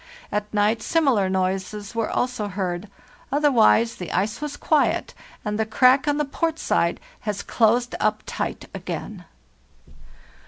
At night similar noises were also heard ; otherwise the ice was quiet, and the crack on the port side has closed up tight again.